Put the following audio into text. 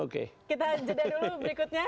kita jeda dulu berikutnya